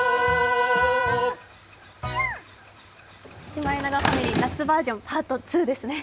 シマエナガファミリー夏バージョンパート２ですね。